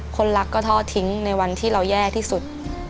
คนรักก็ทอดทิ้งในวันที่เราแย่ที่สุด